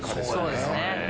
そうですね。